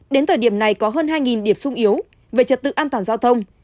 đến thời điểm này có hơn hai điểm sung yếu về trật tự an toàn giao thông